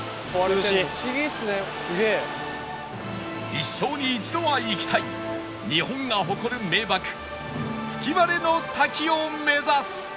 一生に一度は行きたい日本が誇る名瀑吹割の滝を目指す